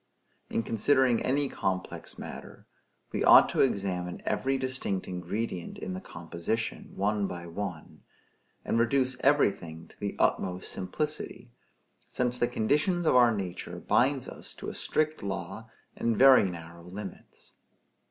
In considering any complex matter, we ought to examine every distinct ingredient in the composition, one by one; and reduce everything to the utmost simplicity; since the condition of our nature binds us to a strict law and very narrow limits.